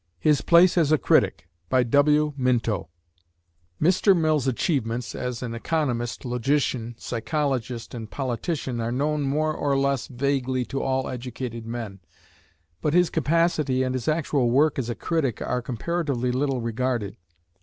V HIS PLACE AS A CRITIC Mr. Mill's achievements as an economist, logician, psychologist, and politician are known more or less vaguely to all educated men; but his capacity and his actual work as a critic are comparatively little regarded.